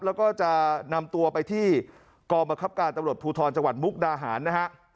แล้วก็จะนำตัวไปที่กรมคับการตำรวจภูทรจังหวัดมุกดาหารนะฮะ